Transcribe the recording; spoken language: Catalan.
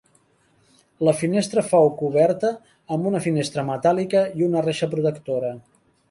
La finestra fou coberta amb una finestra metàl·lica i una reixa protectora.